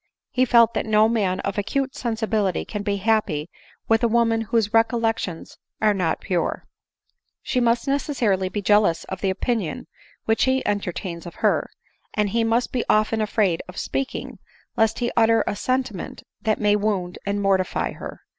He felt that no man of acute sensibility can be happy with a wo man whose recollections are not pure ; she must neces sarily be jealous of the opinion which he entertains of her ; and he must be often afraid of speaking, lest he ut ter a sentiment that may wound and mortify her.